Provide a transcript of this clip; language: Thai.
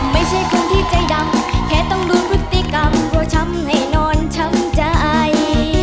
ไม่ใช่คนที่ใจดำแค่ต้องดูพฤติกรรมว่าช้ำให้นอนช้ำใจ